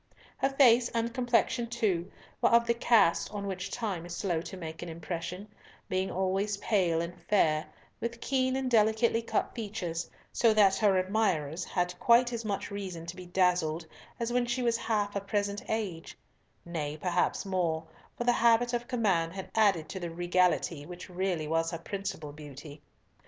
Her face and complexion, too, were of the cast on which time is slow to make an impression, being always pale and fair, with keen and delicately cut features; so that her admirers had quite as much reason to be dazzled as when she was half her present age; nay, perhaps more, for the habit of command had added to the regality which really was her principal beauty.